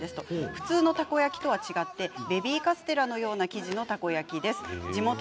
普通のたこ焼きとは違ってベビーカステラのような生地のたこ焼きです。